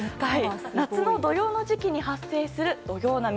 夏の土用の時期に発生する土用波。